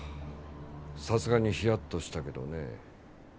さすがにヒヤッとしたけどねえ。